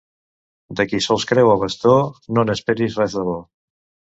De qui sols creu a bastó, no n'esperis res de bo.